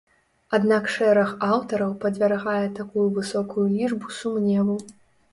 Аднак шэраг аўтараў падвяргае такую высокую лічбу сумневу.